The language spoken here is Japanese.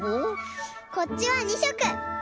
こっちは２しょく。